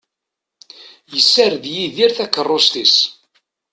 Yessared Yidir takerrust-is.